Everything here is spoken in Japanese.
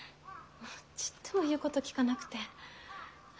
ちっとも言うこと聞かなくて。